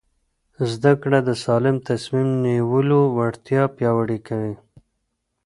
زده کړه د سالم تصمیم نیولو وړتیا پیاوړې کوي.